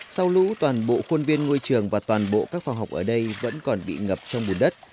sau lũ toàn bộ khuôn viên ngôi trường và toàn bộ các phòng học ở đây vẫn còn bị ngập trong bùn đất